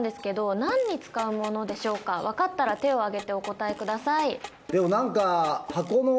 わかったら手を挙げてお答えください。